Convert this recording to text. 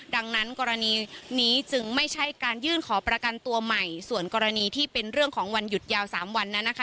ดังนั้นกรณีนี้จึงไม่ใช่การยื่นขอประกันตัวใหม่ส่วนกรณีที่เป็นเรื่องของวันหยุดยาวสามวันนั้นนะคะ